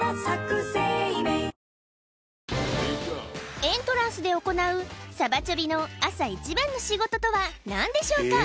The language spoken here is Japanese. エントランスで行うサバチョビの朝一番の仕事とは何でしょうか？